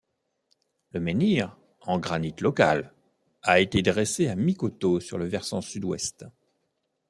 Le menhir, en granit local, a été dressé à mi-coteau sur le versant sud-ouest.